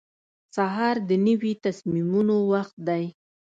سهار د نوي تصمیمونو وخت دی.